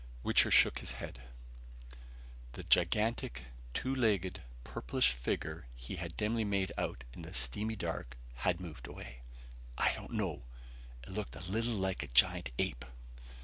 Wichter shook his head. The gigantic, two legged, purplish figure he had dimly made out in the steamy dark, had moved away. "I don't know. It looked a little like a giant ape."